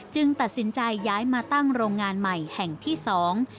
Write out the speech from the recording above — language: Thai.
ตัดสินใจย้ายมาตั้งโรงงานใหม่แห่งที่สอง